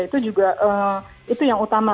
itu juga itu yang utama